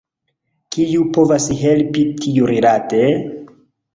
Kiu povas helpi tiurilate?